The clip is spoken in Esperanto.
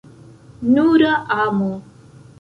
Nura amo!